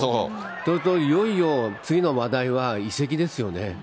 そうするといよいよ次の話題は移籍ですよね。